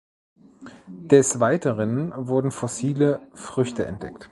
Des Weiteren wurden fossile Früchte entdeckt.